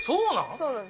そうなんです。